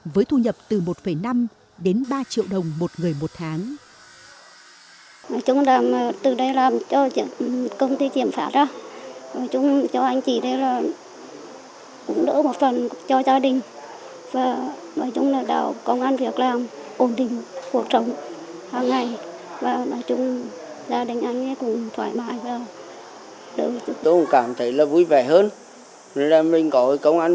với thu nhập từ một năm đến ba triệu đồng một người một tháng